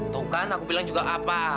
tuh kan aku bilang juga apa